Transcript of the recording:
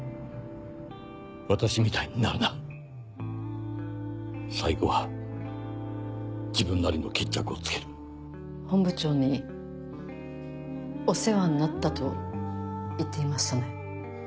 私みたいになるな最後は自分なりの決着をつける本部長にお世話になったと言っていましたね。